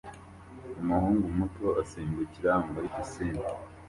Umuhungu muto asimbukira muri pisine